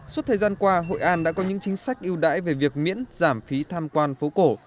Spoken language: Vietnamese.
suốt thời gian qua hội an đã có những chính sách ưu đãi về việc miễn giảm phí tham quan phố cổ